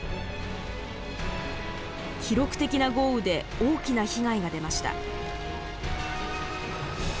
記録的な豪雨で大きな被害が出ました。